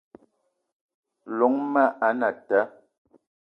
Llong ma anata